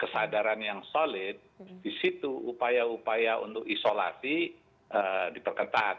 kesadaran yang solid di situ upaya upaya untuk isolasi diperketat